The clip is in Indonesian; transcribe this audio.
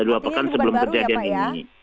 dua pekan sebelum kejadian ini